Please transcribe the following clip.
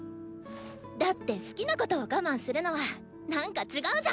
だって好きなことを我慢するのはなんか違うじゃん！